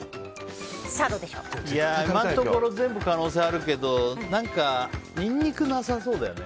今のところ全部可能性あるけど何か、ニンニクなさそうだよね。